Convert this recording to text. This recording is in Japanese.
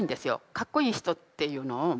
かっこいい人っていうのを。